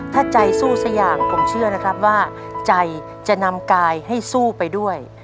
ถ้าใจสู้สักอย่างผมเชื่อนะครับว่าใจจะนำกายให้สู้ไปด้วย